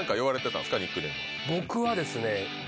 僕はですね。